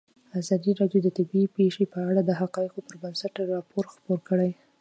ازادي راډیو د طبیعي پېښې په اړه د حقایقو پر بنسټ راپور خپور کړی.